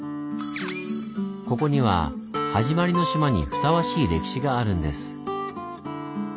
ここには「はじまりの島」にふさわしい歴史があるんです。